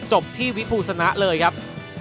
จบที่วิภูสนะเลยครับ